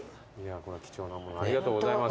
貴重なものありがとうございます。